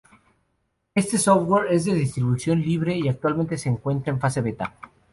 Este software es de distribución libre y actualmente se encuentra en fase beta.